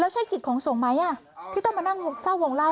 ใช่กิจของสงฆ์ไหมที่ต้องมานั่งเฝ้าวงเล่า